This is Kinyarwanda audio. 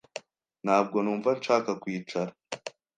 Ntabwo numva nshaka kwicara.